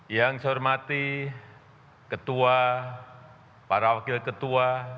yang saya hormati ketua para wakil ketua